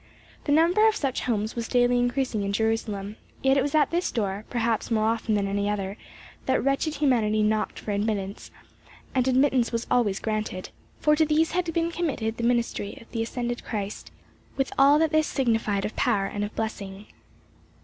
The number of such homes was daily increasing in Jerusalem; yet it was at this door, perhaps more often than at any other, that wretched humanity knocked for admittance, and admittance was always granted. For to these had been committed the ministry of the ascended Christ, with all that this signified of power and of blessing.